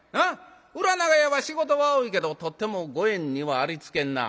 裏長屋は仕事が多いけどとっても五円にはありつけんなぁ。